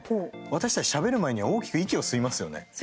私たち、しゃべる前には大きく息を吸いますよね。